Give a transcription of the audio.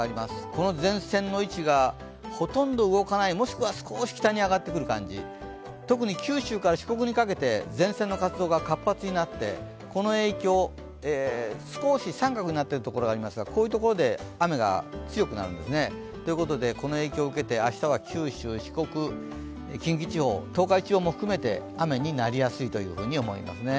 この前線の位置がほとんど動かない、もしくは少し北に上がってくる感じ、特に九州から四国にかけて前線の活動が活発になってこの影響、少し三角になっているところがありますがこういうところで雨が強くなるんですね。ということでこの影響を受けて明日は九州、四国、近畿地方、東海地方も含めて雨になりやすいと思いますね。